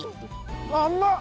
甘っ！